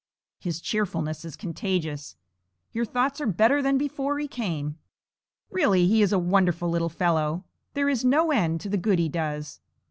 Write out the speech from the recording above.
His cheerfulness is contagious. Your thoughts are better than before he came. Really, he is a wonderful little fellow; there is no end to the good he does.